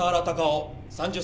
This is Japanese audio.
３０歳。